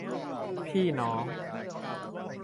พี่น้อง